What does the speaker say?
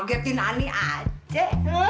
nggak captain ani aja